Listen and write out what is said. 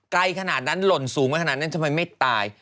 ไกลขนาดนั้นหล่นสูงมาขนาดนั้นทำไมไม่ตาย